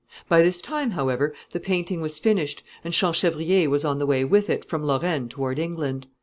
By this time, however, the painting was finished, and Champchevrier was on the way with it from Lorraine toward England.